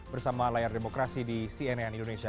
bersama layar demokrasi di cnn indonesia